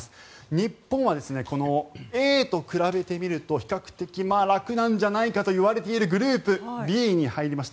日本は、このＡと比べてみると比較的楽なんじゃないかといわれているグループＢに入りました。